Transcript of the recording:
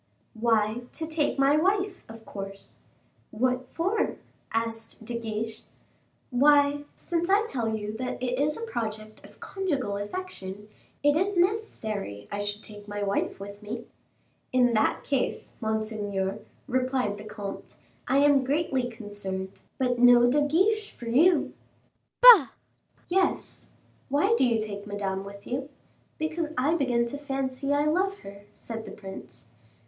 "Why, to take my wife, of course." "What for?" asked De Guiche. "Why, since I tell you that it is a project of conjugal affection, it is necessary I should take my wife with me." "In that case, monseigneur," replied the comte, "I am greatly concerned, but no De Guiche for you." "Bah!" "Yes. Why do you take Madame with you?" "Because I begin to fancy I love her," said the prince.